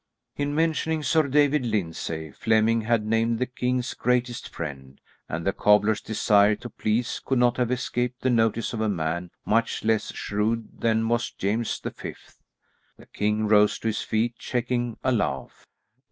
'" In mentioning Sir David Lyndsay, Flemming had named the king's greatest friend, and the cobbler's desire to please could not have escaped the notice of a man much less shrewd than was James the Fifth. The king rose to his feet, checking a laugh.